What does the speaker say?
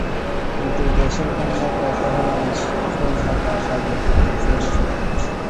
কিন্তু দেশের জন্য করতে হলে দেশই থাকা লাগে এটি ধ্রুব সত্য।